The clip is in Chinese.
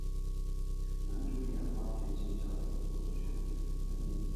男主演洼田正孝由作者选定。